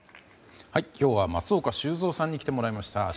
今日は松岡修造さんに来てもらいました。